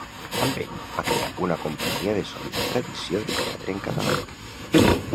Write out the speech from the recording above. Amb ell va crear una companyia de sòlida tradició de teatre en català.